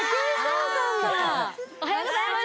おはようございます。